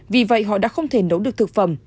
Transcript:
vì vậy họ đã không thể nấu được thực phẩm